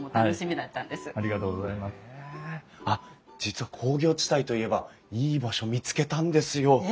あっ実は工業地帯といえばいい場所見つけたんですよ！